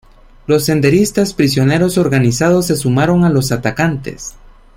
Los senderistas prisioneros organizados se sumaron a los atacantes.